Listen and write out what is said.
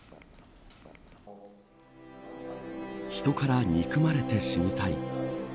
人からの憎まれて死にたい。